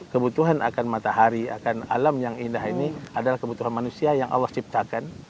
kebutuhan akan matahari akan alam yang indah ini adalah kebutuhan manusia yang allah ciptakan